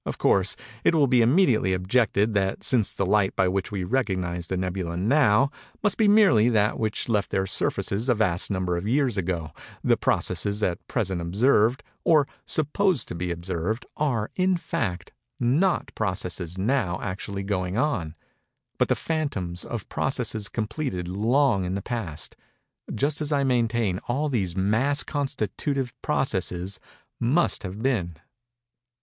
Of course, it will be immediately objected that since the light by which we recognize the nebulæ now, must be merely that which left their surfaces a vast number of years ago, the processes at present observed, or supposed to be observed, are, in fact, not processes now actually going on, but the phantoms of processes completed long in the Past—just as I maintain all these mass constitutive processes must have been.